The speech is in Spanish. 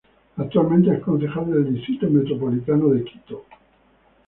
Actualmente es Concejal del Distrito Metropolitano de Quito.